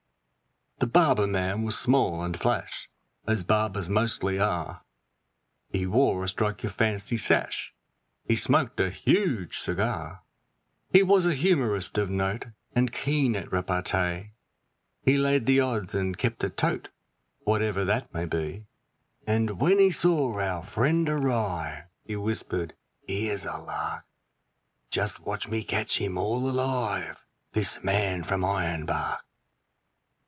The barber man was small and flash, as barbers mostly are, He wore a strike your fancy sash, he smoked a huge cigar: He was a humorist of note and keen at repartee, He laid the odds and kept a 'tote', whatever that may be, And when he saw our friend arrive, he whispered 'Here's a lark! Just watch me catch him all alive, this man from Ironbark.'